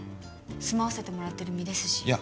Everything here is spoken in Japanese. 住まわせてもらってる身ですしいや